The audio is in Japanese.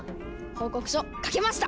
報告書書けました！